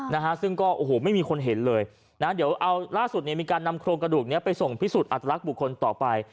นะฮะซึ่งก็โอ้โหไม่มีคนเห็นเลยนะเดี๋ยวเอาล่าสุดเนี่ยมีการนำโครงกระดูกเนี้ยไปส่งพิสูจน์อัตลักษณ์บุคคลต่อไป